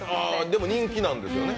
でも人気なんですね。